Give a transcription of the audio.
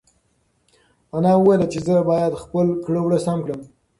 انا وویل چې زه باید خپل کړه وړه سم کړم.